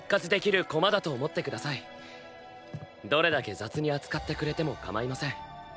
どれだけ雑に扱ってくれても構いません。